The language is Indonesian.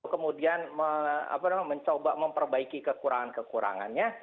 kemudian mencoba memperbaiki kekurangan kekurangannya